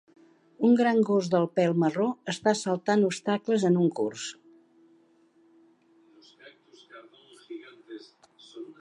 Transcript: Un gran gos de pèl marró està saltant obstacles en un curs.